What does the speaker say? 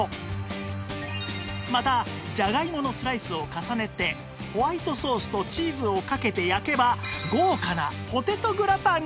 またじゃがいものスライスを重ねてホワイトソースとチーズをかけて焼けば豪華なポテトグラタンに！